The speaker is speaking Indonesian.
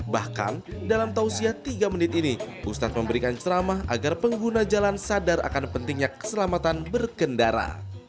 bahkan dalam tausiah tiga menit ini ustadz memberikan ceramah agar pengguna jalan sadar akan pentingnya keselamatan berkendara